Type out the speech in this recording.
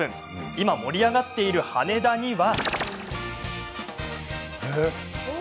今、盛り上がっている羽田には。